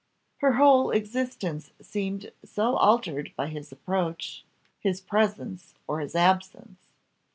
Her whole existence seemed so altered by his approach, his presence, or his absence.